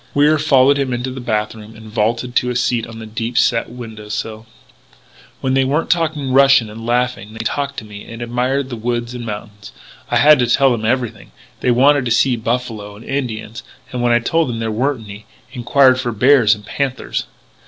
Wier followed him into the bath room and vaulted to a seat on the deep set window sill: " When they weren't talking Russian and laughing they talked to me and admired the woods and mountains. I had to tell them everything they wanted to see buffalo and Indians. And when I told them there weren't any, enquired for bears and panthers.